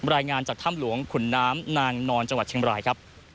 รายงานจากถ้ำหลวงขุนน้ำนางนอนจังหวัดเชียงบรายครับ